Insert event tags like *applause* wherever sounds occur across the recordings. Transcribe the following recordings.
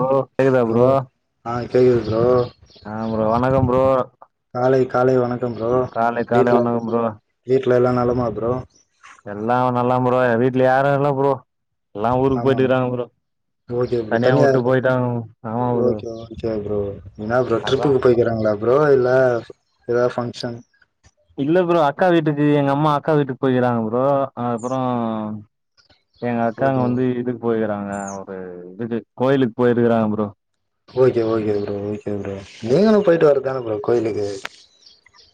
ஓ K தா bro ஆ கேக்குது ப்ரோ ஆ ப்ரோ வணக்கம் ப்ரோ காலை காலை வணக்கம் ப்ரோ காலை காலை வீட்டுல வணக்கம் ப்ரோ *unintelligible* வீட்ல எல்லா நலமா ப்ரோ எல்லா நலம் ப்ரோ ஏ வீட்ல யாரு இல்ல ப்ரோ எல்லா ஊருக்கு ஆமா போயிட்டுக்கறாங்க ப்ரோ ஓகே ப்ரோ தனியா விட்டு போயிட்டாங்க ஆமா ப்ரோ சேரி ப்ரோ என்னா ப்ரோ அதா ட்ரிப்புக்கு போய்க்கிறாங்களா ப்ரோ இல்ல ஏதா ஃபங்க்ஷன் இல்ல ப்ரோ அக்கா வீட்டுக்கு எங்க அம்மா அக்கா வீட்டுக்கு போய்கிறாங்க ப்ரோ அப்புறம் எங்க அக்கா ஓகே வந்து இதுக்கு போயிக்கறாங்க இதுக்கு கோயிலுக்கு போயிருக்கறாங்க bro okay okay bro okay bro நீங்களு போயிட்டு வரதானே ப்ரோ கோயிலுக்கு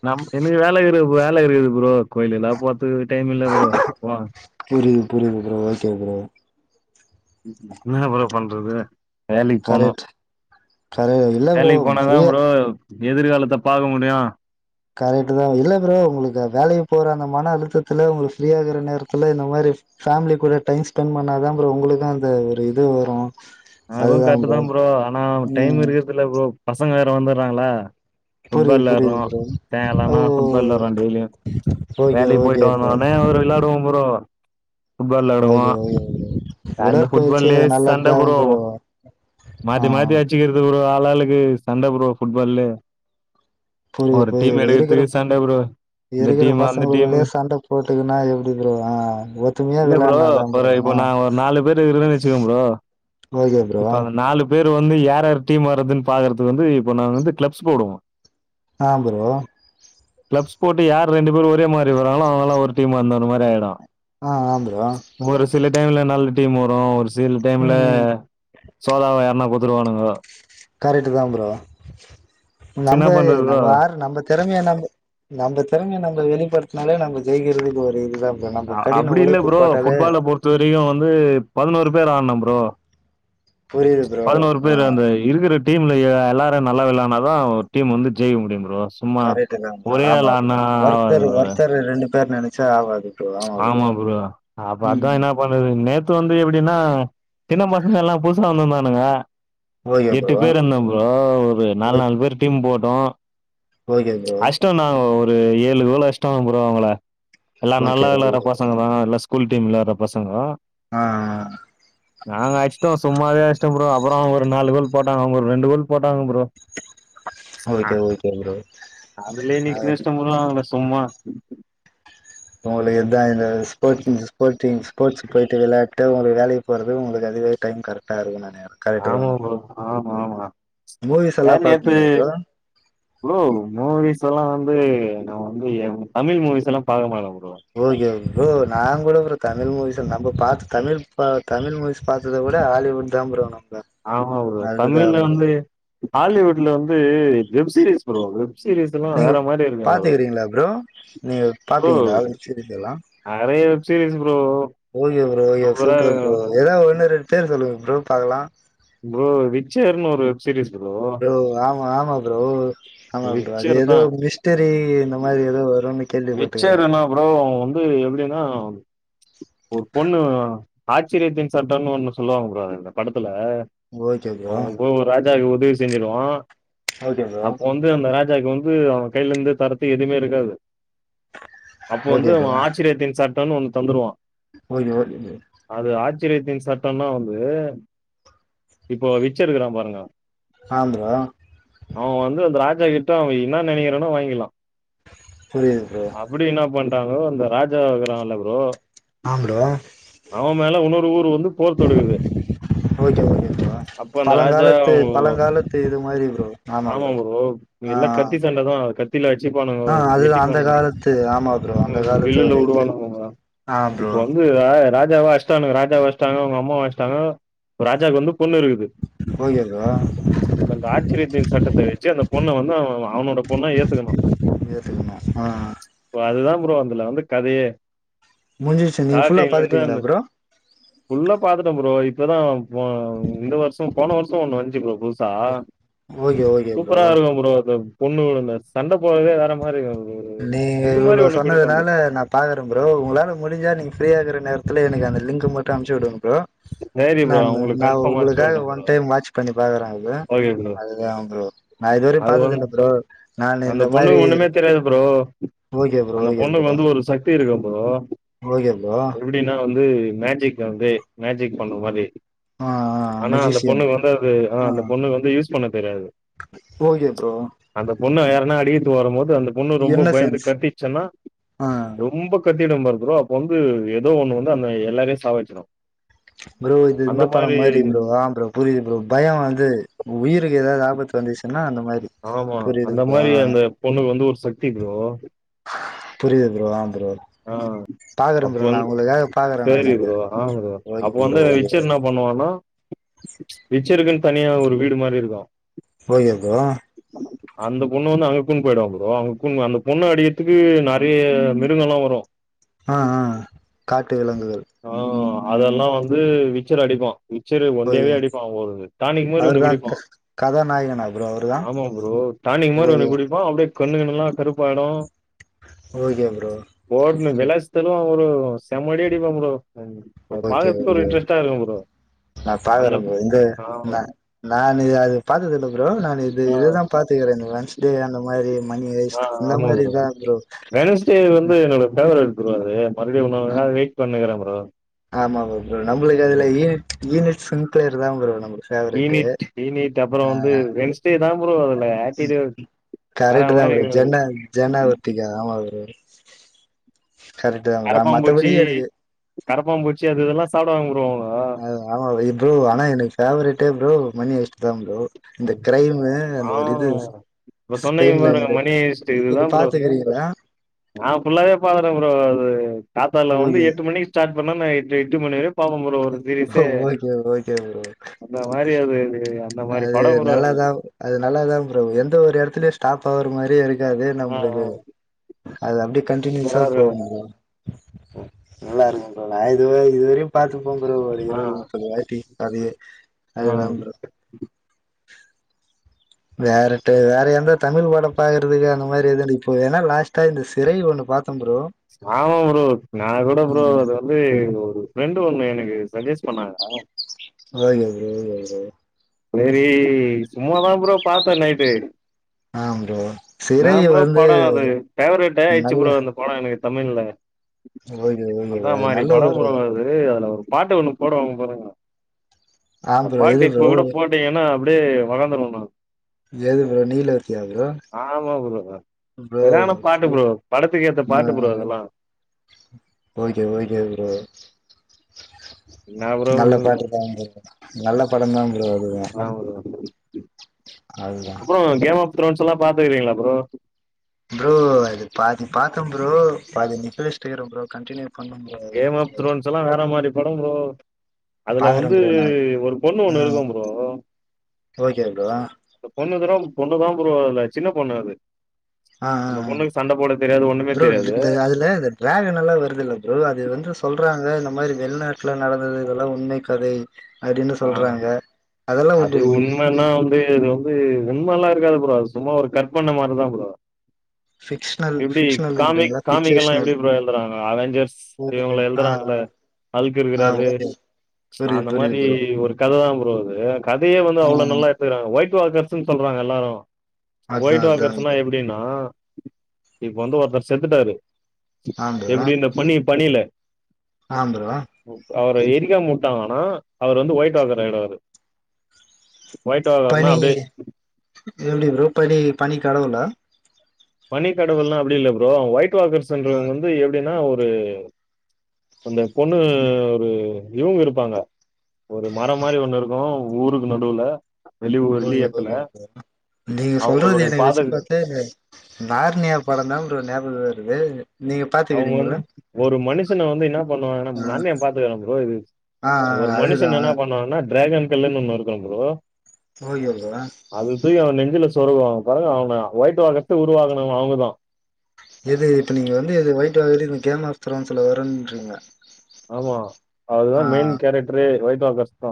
நம் எனக்கு வேல இக்குது வேல இருக்குது ப்ரோ கோயிலல்ல போரத்துக்கு டைம் இல்ல ப்ரோ புரியுது புரியுது ப்ரோ ஓகே ப்ரோ என்னா ப்ரோ பண்றது வேலைக் போனு கரெக்ட் கரெ இல்ல ப்ரோ வேலைக்கு போனாதா ஃப்ரீயா ப்ரோ எதிர்காலத்த பாக்க முடியு கரெக்ட் தா இல்ல ப்ரோ உங்களுக்கு வேலைக்கு போற அந்த மன அழுத்தத்துல உங்களுக்கு ஃப்ரீய ஆகற நேரத்துல இந்த மாரி ஃபேமிலி கூட டைம் ஸ்பெண்ட் பண்ணா தா ப்ரோ உங்களுக்கு அந்த ஒரு இது வரு அதுவும் கரெக்ட் தா ப்ரோ ஆனா டைம் ம் இருக்கிறதுல ப்ரோ பசங்க வேற வந்துடுறாங்களா ஃபுட்பால் புரியுது வெலாட்றோ புரியுது ப்ரோ ஓ சாய்ங்கலானா ஃபுட்பால் வெலாட்றோ டெய்லியு ஓகே வேலைக்கி ஓகே போயிட்டு ப்ரோ வந்தோான்னே வெளாடுவோ ப்ரோ ஃபுட்பால் ஓகே விளாடுவோம். ஓகே அந்த உடற்பயிற்சி அது ஃபுட்பால்லயே நல்லது சண்ட தா ப்ரோ ஆ மாத்தி மாத்தி அச்சுக்கிறது ஆளாளுக்கு சண்டதா ப்ரோ ஃபுட்பால்ல புரியுது ஒரு டீம் புரியுது இருக்கிற எடுக்கறதுக்கு சண்ட ப்ரோ இந்த இருக்கிற டீம், அந்த டீமு. பசங்களுக்குள்ளயே சண்ட போட்டுக்குன்னா எப்டி ப்ரோ ஆ ஒத்துமையா இல்ல ப்ரோ, விளையாடு னா தா ஒரு ப்ரோ இப்போ ஆ நா ஒரு நாலு பேரு இருக்குரோன்னு வச்சுக்கோங்களே ப்ரோ ஓகே ப்ரோ இப்ப அந்த நாலு பேரு வந்து யார் யாரு டீம் வரதுன் பாக்கற்துக் வந்து இப்ப நாங் வந்து க்ளப்ஸ் போடுவோ ஆ ப்ரோ க்ளப்ஸ் போட்டு யார் ரெண்டு பேரு ஒரே மாரி வராங்களே அவ்ங்கல்லா ஒரு டீம் அந்த ஒரு மாரி ஆய்டு ஆ வந்துருவோ ஒரு சில டைம்ல நல்ல டீம் வரு ஒரு சில் டைம்ல ம் ம் சோதாவா யார்னா குத்துருவானுங்கோ கரெட்டு தா ப்ரோ என்ன நம்பே பண்றது ப்ரோ நம்ம யாரு நம்ப திறமைய நம்ப நம்ப திறமைய நம்ப வெளிப்படுத்னாலே நம்ப ஜெயிக்கறதுக்கு ஒரு இதுதா ஆ அப்பிடி இல்ல ப்ரோ ஃபுட்பால பொறுத் த்த வரியு வந்து பதினோரு பேர் ஆட்ணு ப்ரோ புரியுது ப்ரோ பதினோரு ஆ பேரு அந்த இருக்கற டீம்லயே எல்லாரு நல்லா விளாட்னாதா ஒரு டீம் வந்து ஜெயிக்க முடியு ப்ரோ சும்மா கரெட்டு தா ப்ரோ ஒரே ஆமா ஆள் ஆடுனா ப்ரோ ஆவாது ஒருத்தரு ப்ரோ ஒருத்தர் ரெ ரெ ரெண்டு பேர் நெனச்சா ஆவாது ஆமா ப்ரோ அப்ப அதா ம் என்னா பண்ணுற்து நேத்து வந்து எப்பிடின்னா சின்ன பசங்க எல்லா புதுசா வந்துர்ந்தானுங்க ஓகே ப்ரோ எட்டு பேர் இர்ந்தம் ப்ரோ ஒரு நால் ஓகே நால் பேர் டீம் போட்டோ ஓகே ப்ரோ டன்னா ஒரு ஏழு கோல் அஸ்ட்டாங்க ப்ரோ அவ்ங்கள ஓகே நல்லா விளாட்ற ஓகே பசங்க தா எல்லா ஸ்கூல் டீம் விளாட்ற பசங்க ஆ ஆ நாங்க அஸ்ட்டோ சும்மாவே அஸ்ட்டோ ப்ரோ அப்பறோ ஒரு நாலு கோல் போட்டாங்க அவ்ங்க ஒரு ரெண்டு கோல் போட்டாங்க ப்ரோ அ ஓகே ஓகே ப்ரோ அதுலே ஆ இன்னிக் கிஷ்டோ ப்ரோ அவ்ங்கள சும்மா உங்களுக் இதா இந்த ஸ்போட்ஸ் இன்சஸ் போட்டீன்ஸ் ஸ்போட்ஸுக்கு போய்ட்டு விளாட்டு உங்களுக் வேலைக்கு போறது உங்களுக் அதுவே டைம் கரட்டா இருக்குந்தான ஆமா ப்ரோ ஆமா ஆமா மூவிஸ் எல்லா நேத்து பாப்பீங்களா ப்ரோ ப்ரோ மூவிஸ் எல்லா வந்து நா வந்து எ ம் தமிழ் மூவிஸ் எல்லா பாக்க மாட்ட ப்ரோ ஓகே ப்ரோ நாங்கூட ப்ரோ தமிழ் மூவிஸ நம்ப பாத்து தமிழ் பா தமிழ் மூவிஸ் பாத்தத விட ஹாலிவுட் தா ப்ரோ நம்ப ஆமா ப்ரோ தமிழ்ல வந்து ஹாலிவுட்ல வந்து web series bro web series எல்லா நீங்க வேற மாரி இருக்கு ப்ரோ பாத்துக்கிறீங்களா ப்ரோ நீங்க ப்ரோ பாப்பீங்களா வெப் சீரிஸ் எல்லா நெறைய web series bro okay bro you are super சூப்பரா ப்ரோ எதா ஒன்னு ரெண்டு பேர் சொல்லுங்க ப்ரோ பாக்கலா இ விச்சர்ன்னு ஒரு வெப் சீரியஸ் ப்ரோ ப்ரோ ஆமா ஆமா ப்ரோ ஆமா ப்ரோ அது விச்சர் தா எதோ மிஸ்ட்டரி இந்த மாரி எதோ வருனு கேள்விப்பட்டுகிற விச்சர்னா ப்ரோ அவ்ங் வந்து எப்டின்னா ஒரு பொண்ணு ஆச்சரியத்தின் சட்டம்னு ஒன்னு சொல்லுவாங் ப்ரோ அது இந்த படத்துல ஓகே அவ ப்ரோ போய் ஒரு ராஜாக்கு உதவி செஞ்சிருவா ஓகே ப்ரோ அப்போ வந் து அந்த ராஜாக் வந்து அவ கைலர்ந்து தரத்து எதுமே இருக்காது அப்போ ஓகே வந்து அவ ப்ரோ ஆச்சரியத்தின் சட்டம்னு ஒன்னு தந்துருவா ப்ரோ இது ஒர் இது அது ஆச்சரியத்தின் சட்டம்னா வந்து இப்போ விச் இருக்கிறா பாருங்க ஆ ப்ரோ அவ வந்து அந்த ராஜா கிட்ட அவ இன்னா நெனைக்கிறானோ வாங்கிர்லா புரியிது ப்ரோ அப்படி என்ன பண்ட்டாங்கோ இந்த ராஜா இருக்றால்ல ப்ரோ ஆ ப்ரோ அவ மேல உன்னோரு ஊரு வந்து போர் தொக்குது ஓகே ஓகே ப்ரோ ராஜா பழங்காலத்து அவங்க பழங்காலத்து இது மாதிரி ப்ரோ ஆமா ப்ரோ ஆ அதா கத்தில அடிச்சுப்பானுங்க ஆ அதுதா அந்த வெட்டிப்பாங்க, காலத்து ஆமா ப்ரோ அந்த ம், காலத்து வில்லுல ஒரு இது விடுவானுங்க ப்ரோ ஆ இப்ப ப்ரோ வந் து ரா ராஜாவா அடிச்சிட்டானுங்க ராஜாவ அடிச்சிட்டாங்க அவங்க அம்மாவ அடிச்சிட்டாங்க ராஜாவுக்கு வந்து பொண்ணு இருக்குது ஓகே ப்ரோ இப்ப அந்த ஆச்சரியத்தின் சட்டத்த வச்சு அந்த பொண்ண வந்து அவ அவனோட பொண்ணா ஏத்துக்கணு ஏத்துக்கணு ஆ இப்ப அதுதா ப்ரோ அதுல வந்து கதையே முடிஞ்சிருச்சு நீங் ஃபுல்லா ஸ்டார்டிங்ல இருந்து பாத்துட்டீங்ளா அந்த ப்ரோ ஃபுல்லா பாத்துட்ட ப்ரோ இப்பதா போ இந்த வருஷம் போன வருஷோ ஒண்ணு வந்துச்சு ப்ரோ புதுசா ஓகே ஓகே ப்ரோ சூப்பரா இருக்கு ப்ரோ அது பொண்ணு கூட அந்த சண்ட போட்றதே வேற மாரி இருக்கு நீங்க இவ்ளோ சொன்னதுனால நா பாக்குற ப்ரோ உங்களால முடிஞ்சா நீங்க ஃப்ரீயா இருக்ற நேரத்துல எனக்கு அந்த லிங்க் மட்டு அனுப்ச்சு விடுங்க ப்ரோ சரி ப்ரோ நானு உங்களுக்கு நா கன்ஃபார்ம் அனுப்ச்சு உங்களுக்காக விட்றே ப்ரோ ஒன் டைம் வாட்ச் பண்ணி பாக்குறே அத ஓகே ப்ரோ அதுதா ப்ரோ நா இதுவரையு அது பாத்தது வந் இல்ல ப்ரோ நானு அந்த இந்த பொண்ணுக்கு மாரி ஒண்ணுமே தெரியாது ப்ரோ ஓகே ப்ரோ அந்த ஓகே பொண்ணுக்கு ப்ரோ வந்து ஒரு சக்தி இருக்கு ப்ரோ ஓகே ப்ரோ எப்டின்னா வந்து மேஜிக் வந்து மேஜிக் பண்ண மாரி ஆ ஆ ஆனா அந்த மெஜிஷியன் பொண்ணுக்கு வந்து அது ஆ அந்த பொண்ணுக்கு வந்து யூஸ் பண்ண தெரியாது ஓகே ப்ரோ பொண்ண யாரனா அடிக்கிறத்துக்கு வரும்போது அந்த பொண்ணு ரொம்ப பயந்து இன்னசென்ஸ் கத்திச்சுன்னா ஆ ரொம்ப கத்திடு பாரு ப்ரோ அப்ப வந்து ஏதோ ஒண்ணு வந்து அந்த எல்லாரயு சாவடிச்சுடு ப்ரோ இது இந்த படம் மாரி ப்ரோ ஆ ப்ரோ புரியுது ப்ரோ பய வந்து உயிருக்கு ஏதாவது ஆபத்து வந்துச்சுன்னா அந்த மாதிரி ஆமா அந்த மாரி அந்த பொண்ணுக்கு வந்து ஒரு சக்தி ப்ரோ புரியுது ப்ரோ ஆ ப்ரோ ஆ பாக்குறே அப்ப ப்ரோ நா வந்து உங்களுக்காக பாக்குறே சேரி நானு அது ப்ரோ ஆ ஓகே ப்ரோ வந்து ஓகே விச்சர் என்னா பண்ணுவனா விச்சருக்குன்னு தனியா ஒரு வீடு மாரி இருக்கு ஓகே ப்ரோ அந்த பொண்ண வந்து அங்க கூட்னு போயிடுவா ப்ரோ அங்க கூட்னு அந்த பொண்ணு அடிக்கிறத்துக்கு நெறைய மிருகங்கள்ல்லா வ ரு ஆ ஆ காட்டு விலங்குகள் ஆ அதெல்லா வந்து விச்சர் அடிப்பா விச்சர் ஓகே ஒண்டியாவே அடிப்பா ஒரு டானிக்கு மாரி ஒண்ணு அவர்தா குடிப்பா கதாநாயகனா ப்ரோ அவர்தா ஆமா ப்ரோ டானிக் மாரி ஓகே ஒன்னு குடிப்பா அப்டியே கண்ணு கிண்ணுல்லா கருப்பாயிடு ஓகே ப்ரோ போட்ணு விலாசி தள்ளுவா ப்ரோ செம அடி அடிப்பா ப்ரோ அது ஓகே பாக்றதுக்கே ஒரு ஓகே இன்ட்ரஸ்ட்டா இருக்கு ப்ரோ நா அந்த பாக்கற ப்ரோ இந்த ஆ நா நானு இது அது பாத்தது இல்ல ப்ரோ நானு இது ஆ இதுதா பா த்துக்கிற இந்த ஹண்ட் ஸ்டே அந்த மாதிரி மணி ஹெய்ஸ்ட் இந்த மாதிரிதா ப்ரோ ஸ்டே வந்து என்னோட ஃபேவரைட் ப்ரோ அது மறுபடியு இன்னு அதுக்காக வெயிட் பண்ணுனுருக்கற ப்ரோ ஆமா ப்ரோ ப்ரோ நம்ளுக்கு அதுல ஈனிட் ஈனிட் ஸ்கின் கேர் தா ப்ரோ நம்ளுக் ஈனிட் ஈனிட் அப்புற வந்து ரென்ஸ் ஓகே தா ப்ரோ அதுல அட்டிடியூட் வேற மாரி *unintelligible* டிகே ஆமா ப்ரோ கரெக்ட்டு தா ப்ரோ அ மத்தபடி எனக் கரப்பா பூச்சி அது இதெல்லா சாப்டாங் ப்ரோ அவனுக ஆமா ப்ரோ ஏ ப்ரோ ஆனா எனக்கு ஃபேவரட்டே ப்ரோ மணி ஏஷ்ட் தா ப்ரோ இந்த கிரைமு ஆ அந்த ஒரு இது இப்ப சொன்னீங்க ஸ்பெயின் பாருங்க லேனரு மணி ஹேஸ்ட் இதுதா நீங்க ப்ரோ பாத்திருக்கீங்ளா நா ஃபுல்லாவே பாத்தட்ட ப்ரோ அது காத்தால வந்து ஓகே எட்டு மணிக் ஸ்டாட் பண்ணா நா எட்டு எட்டு மணி வரியு பாப்பே ப்ரோ ஒரு சீரிஸ்சே ஓகே ஓகே ப்ரோ அந்த மாரி அது இது அது நல்லாதா அது நல்லாதா ப்ரோ எந்த ஒரு எடத்துலயு ஸ்டாப் ஆர மாரியே இருக் காது ஆ ஆ நம்ளுக்கு அது அப்டி கன்டினியூஸா சூப்பரா போகு இருக்கு ப்ரோ நல்லா இருக்கு ப்ரோ நா இதுவரி இதுவரியும் பாத்துருப்ப ப்ரோ ஒரு ஆ இருவது முப்பது வாட்டி கதையே ஆ அது தா ப்ரோ வேற டு வேற எந்த தமிழ் படம் பாக்கறதுக்கா அந்த மாரி எத *unintelligible* ஏன்னா லாஸ்ட் டா இந்த சிறை ஒண்ணு பாத்த ப்ரோ ஆமா ப்ரோ நா கூட ப்ரோ ம் அது வந்து ஒரு ஃப்ரெண்டு ஒண்ணு எனக்கு சஜஸ்ட் பண்ணாங்க ஓகே ப்ரோ ஓகே ப்ரோ செரி சும்மாதா ப்ரோ பாத்த நைட்டு ஆ ப்ரோ என்னா சிறை ப்ரோ வந்து படோ அது ஃபேவரட்டே ஆயிச்சு நல்ல ப்ரோ அந்த படோ எனக் தமிழ்ல ஓகே ஓகே அந்த ப்ரோ அது மாரி நல்ல படோ ஒரு ப்ரோ அது டே அதுல ஒரு பாட்டு ஒண்ணு போடுவாங்க பாருங்க ஆ அ ப்ரோ எது பாட்டு இப்ப ப்ரோ கூட விட்டீங்கனா அப்டே வளந்துரு நா எது ப்ரோ நீலோத்தியா ப்ரோ நா ஆமா ப்ரோ செரியான பாட்டு ப்ரோ படத்துக்கு ஏத்த ஆ பாட்டு ப்ரோ அதெல்லா ஓகே ஓகே ப்ரோ என்னா ப்ரோ நல்ல அதா பாட்டு தா ப்ரோ நல்ல பட தா ப்ரோ அது ப்ரோ அது தா ப்ரோ கேம் ஆப் த்ரோன்ஸ்லா பாத்திருக்கீங்ளா ப்ரோ ப்ரோ அது பாதி பாத்த ப்ரோ பாதி நிக்கவெச்ட்டே இருக்றே ப்ரோ கண்டியூ கேம் ஆப் த்ரோன்ஸ்லா வேற மாரி படம் ப்ரோ அதுல பாக்குறே வந்து ப்ரோ நா ஒரு பொண்ணு ஆ ஒண்ணு இருக்கு ப்ரோ ஓகே ப்ரோ பொண்ணுங்கறோ பொண்ணு தா ப்ரோ அதுல சின்ன பொண்ணு அது ஆ அந்த ஆ பொண்ணுக்கு சண்ட போட தெரியாது ஒண்ணுமே ப்ரோ தெரியாது இந்த அதுல அது டிராகன்னல்லா வருதில்ல ப்ரோ அது வந்து சொல்றாங்க இந்த மாரி வெளிநாட்ல நடந்தது இதெல்லா உண்மை கதை அப்டின்னு ஆ சொல்றாங்க அதெல்லா உண்டு ம் ம் அப்டியா ப்ரோ அது உண்மல்லா இருக்காது ப்ரோ சும்மா ஒரு கர்பண மாரிதா ப்ரோ ஃபிக்ஷனல் எப்டி காமிக் ஃபிக்ஷனல்ன்றீங்களா காமிக்லா ஃபிக்சேஷனல் எப்டி ப்ரோ எழுதுறாங்க அவஞ்சர்ஸ் இவங்கள ஆ ஆ எழுதுறாங்கல்ல ஹல்க்கு இருக்குறாரு புரிது புரிது பேய் ஒரு கத தா ப்ரோ அது கதயே வந்து அவ்ளோ ம் நல்லா எத்துக்குறாங் ஒயிட் வாக்கர்ஸ்ன்னு சொல்றாங்க எல்லாரும் அதா ஒயிட் அதா வாக்கர்ஸ்னா ப்ரோ எப்டின்னா இப்ப வந்து ஒருத்தர் செத்துட்டாரு ஆ எப்டி இந்த பனி பனில ஆம் ப்ரோவா அவர எரிக்காமுட்டாங்க ஆனா அவர் வந்து ஒயிட் ஆக்கற எடோ அது பனி எப்டி ப்ரோ பனி பனி கடவுளா பனிக்கடவுள்லா அப்டி இல்ல ப்ரோ ஒயிட் ஆ வாக்கர்ஸ்ன்றவங்க வந்து எப்டின்னா ஒரு அந்த பொண்ணு ஒரு இவுங்க இருப்பாங்க ஒரு மரம் மாரி ஒண்ணு இருக்கும் ஊருக்கு நடுவுல வெளி ஊர் வெளி ஓகே எடத்துல ஓகே ப்ரோ நீங்க சொல்றது அவங்களுடைய எனக்கு பாத வெச்சு பாத்த இது நார்ணியா படம் தா ப்ரோ ஞாபக வருது நீங்க அவங்க வந்து பாத்துக்கிறீங்களா ஒரு மனுஷன வந்து என்ன பண்ணுவாங்கன்னா ஆ நார்னியா பாத்துக்குற ப்ரோ இது ஆ ஆ ஒரு அதுதா மனுஷன்ன இன்னா பண்வாங்கன டிராகன் கல்லுன் ஒண்ணு இருக்கும் ப்ரோ ஓகே ப்ரோ அத தூக்கி அவ நெஞ்சுல சொருகுவாங்க படமே அவ்ள் தா ஒயிட் வாக்கர்ஸ்ஸ உருவாக்குனவங் அவங்கதா எது இப்போ நீங்க வந்து அது ஒயிட் வாக்கரு இந்த கேம் ஆப்தலாம் சொல்ல வரோன்றீங்க ஆமா அதுதா மெயின் கேரக்டரே ஒயிட்வாக்கர்ஸ் தா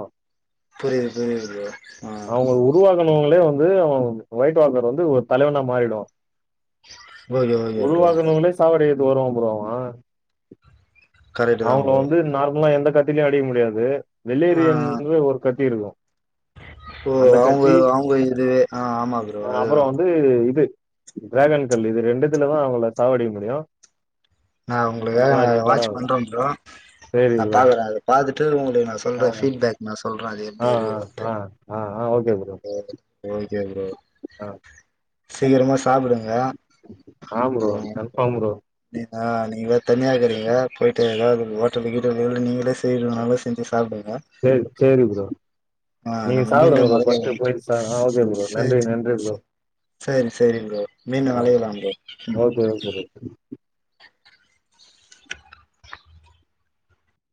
புரியுது புரியுது ப்ரோ ஆ அவங்க உருவாக்குனவங்களே வந்து அவ ஒயிட் வாக்கர் வந்து ஒரு தலைவனா மாறிடுவா ஓகே ஓகே ப்ரோ உருவாக்குனவங்ளயே சாவடிக்கத்துக்க வருவா ப்ரோ அவ கரெக்ட் தா அவங்ள ப்ரோ வந்து நார்மலா எந்த கத்திலியும் அடிக்க முடியாது ஆ வெலேரியந்து ஒரு கத்தி இருக்கும் ஆ அந்த கத்தி ஆ ஆமா ப்ரோ அதே தா இன்னொன்னு இது டிராகன் கல்லு இது ரெண்டுத்துலதா அவங்கள சாவடிக்க முடியும் நா அந்த உங்களுக்காக நா மாரி அத வாட்ச் படம். பண்ற ப்ரோ சரி நா ப்ரோ. பாக்குற அத பாத்துட்டு உங்களுக்கு நா ஆ, சொல்ற ஃபீட்பேக் நா சொல்ற அது ஆ, எப்டி ஆ, இருக்குதுன்ட்டு ஆ, ஆ ஆ ஓகே ப்ரோ ஆ, சீக்கிரமா சாப்டுங்க ஆமா ப்ரோ கன்பார்ம் ப்ரோ நீங்களா நீங்களே தனியா இருக்குறீங்க போயிட்டு எதாவ்து ஓட்டல்லுகீட்டல்லுக்கு நீங்களே செய்ய சொன்ன கூட செஞ்சி சாப்டுவீங்க செரி சேரி ப்ரோ நீங்க நம்ம சாப்டுங்க மீண்டும் ப்ரோ ஃபர்ஸ்ட்டு அழையலாம் போய் சாப்டு ப்ரோ நன்றி நன்றி ப்ரோ சரி சரி ப்ரோ மீண்டும் ஆ அலையலாம் ப்ரோ ம் ஓகே, ஓகே ப்ரோ.